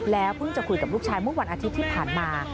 เพิ่งจะคุยกับลูกชายเมื่อวันอาทิตย์ที่ผ่านมา